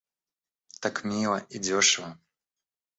Так мило и дешево.